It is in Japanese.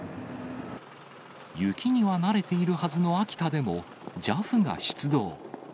雪には慣れているはずの秋田でもＪＡＦが出動。